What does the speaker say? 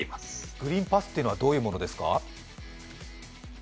グリーンパスというのはどういうものですか？